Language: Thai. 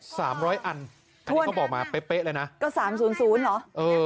สามร้อยอันอันนี้เขาบอกมาเป๊ะเป๊ะเลยนะก็สามศูนย์ศูนย์เหรอเออ